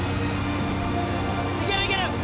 いけるいける。